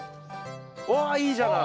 わいいじゃない。